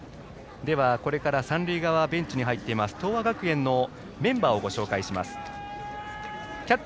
三塁側ベンチに入っています東亜学園のメンバーを紹介します。